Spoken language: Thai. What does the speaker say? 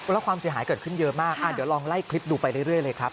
แล้วความเสียหายเกิดขึ้นเยอะมากเดี๋ยวลองไล่คลิปดูไปเรื่อยเลยครับ